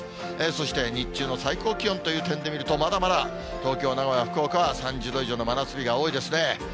そして、日中の最高気温という点で見ると、まだまだ東京、名古屋、福岡は３０度以上の真夏日が多いですね。